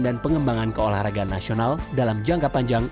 dan pengembangan keolahraga nasional dalam jangka panjang